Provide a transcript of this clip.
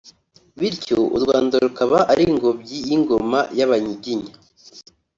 bityo u Rwanda rukaba ari ingobyi y’ingoma y’Abanyiginya